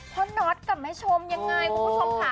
น็อตกับแม่ชมยังไงคุณผู้ชมค่ะ